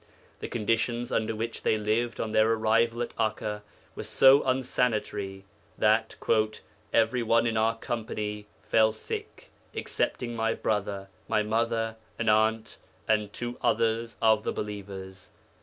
The conditions under which they lived on their arrival at Akka were so unsanitary that 'every one in our company fell sick excepting my brother, my mother, an aunt, and two others of the believers.'